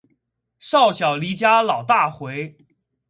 少小离家老大回